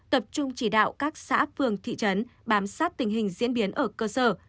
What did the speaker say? tập trung chỉ đạo các xã phường thị trấn bám sát tình hình diễn biến ở cơ sở